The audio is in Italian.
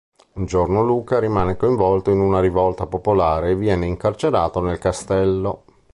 Un giorno Luca rimane coinvolto in una rivolta popolare e viene incarcerato nel castello.